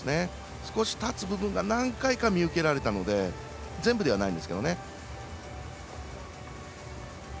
少し立つ部分が何回か見られたので全部ではないんですけどね。